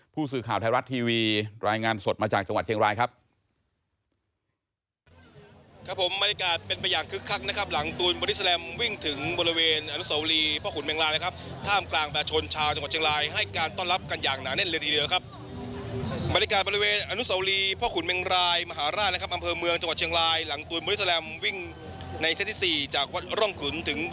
ผู้สื่อข่าวไทยรัฐทีวีรายงานสดมาจากจังหวัดเชียงรายครับ